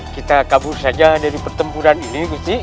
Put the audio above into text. kalian sudah tumbuh dewasa